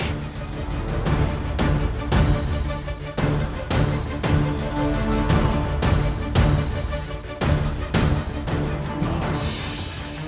dan mereka akan saling menghabisi